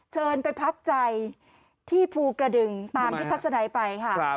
เชิญไปพักใจที่ภูกระดึงตามที่ทัศนัยไปค่ะ